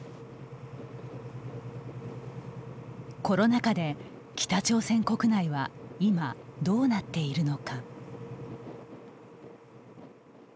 コロナ禍で北朝鮮国内は今どうなっているのか。